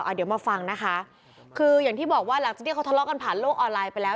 เดี๋ยวมาฟังนะคะคืออย่างที่บอกว่าหลังจากที่เขาทะเลาะกันผ่านโลกออนไลน์ไปแล้ว